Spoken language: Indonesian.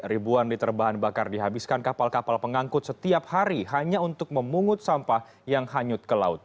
ribuan liter bahan bakar dihabiskan kapal kapal pengangkut setiap hari hanya untuk memungut sampah yang hanyut ke laut